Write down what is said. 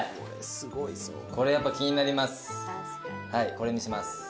これにします。